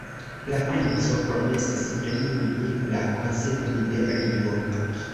La princo promesis plenumi la konsilon de Ringo.